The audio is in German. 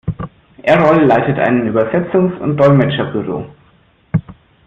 Erol leitet einen Übersetzungs- und Dolmetscherbüro.